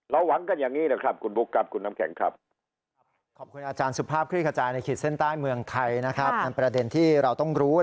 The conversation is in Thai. หวังกันอย่างนี้แหละครับคุณบุ๊คครับคุณน้ำแข็งครับ